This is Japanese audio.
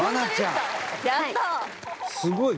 すごい。